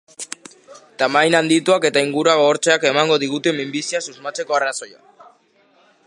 Tamaina handituak eta ingurua gogortzeak emango digute minbiziaz susmatzeko arrazoia.